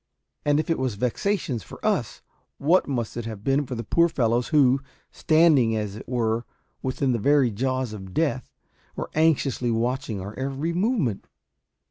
And if it was vexatious for us, what must it have been for the poor fellows who, standing as it were within the very jaws of death, were anxiously watching our every movement?